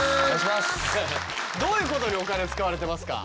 どういうことにお金使われてますか？